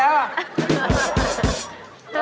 น่ารัก